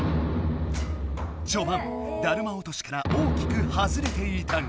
じょばん「だるま落とし」から大きく外れていたが。